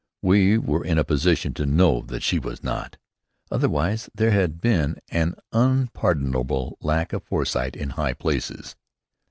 We were in a position to know that she was not. Otherwise, there had been an unpardonable lack of foresight in high places.